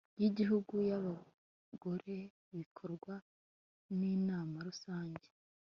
y Igihugu y Abagore bikorwa n Inama rusange